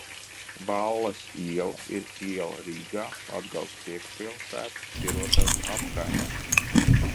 Valles iela ir iela Rīgā, Latgales priekšpilsētas Šķirotavas apkaimē.